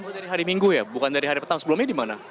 bukan dari hari minggu ya bukan dari hari petang sebelumnya di mana